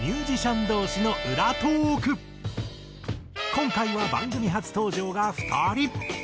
今回は番組初登場が２人。